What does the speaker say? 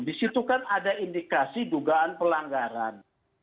di situ kan ada indikasi dugaan pelanggaran